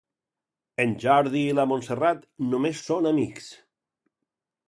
En Jordi i la Montserrat només són amics.